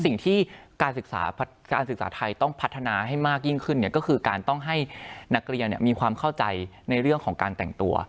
สิ่งที่การศึกษาไทยต้องพัฒนาให้มากยิ่งขึ้นก็คือการต้องให้นักเรียนมีความเข้าใจในเรื่องของการแต่งตัว